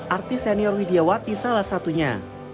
artis senior widiawati salah satunya